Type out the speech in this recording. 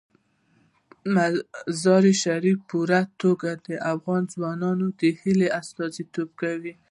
مزارشریف په پوره توګه د افغان ځوانانو د هیلو استازیتوب کوي.